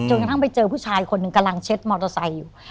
กระทั่งไปเจอผู้ชายคนหนึ่งกำลังเช็ดมอเตอร์ไซค์อยู่